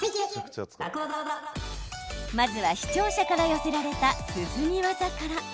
まずは、視聴者から寄せられた涼み技から。